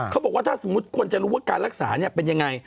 เขาบอกว่าถ้าสมมุติคนจะรู้ว่าการรักษาเป็นยังไง